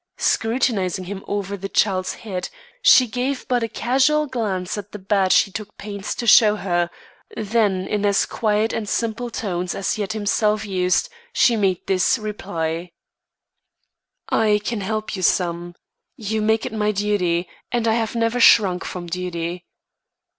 Scrutinising him over the child's head, she gave but a casual glance at the badge he took pains to show her, then in as quiet and simple tones as he had himself used, she made this reply: "I can help you some. You make it my duty, and I have never shrunk from duty.